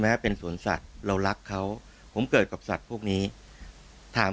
เป็นสวนสัตว์เรารักเขาผมเกิดกับสัตว์พวกนี้ถาม